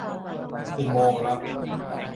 "อุโมงค์ลับ"